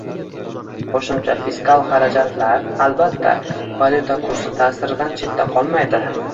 Qo`shimcha fiskal xarajatlar, albatta, valyuta kursi ta'siridan chetda qolmaydi